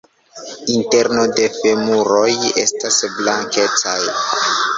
Interno de femuroj estas blankecaj.